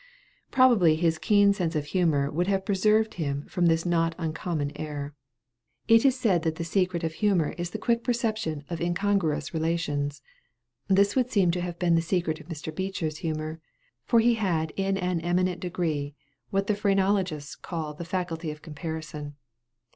Probably his keen sense of humor would have preserved him from this not uncommon error. It is said that the secret of humor is the quick perception of incongruous relations. This would seem to have been the secret of Mr. Beecher's humor, for he had in an eminent degree what the phrenologists call the faculty of comparison.